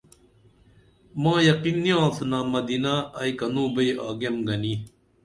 ما یقین نی آڅینا مدینہ ائی کنوں بئی آگیم گنی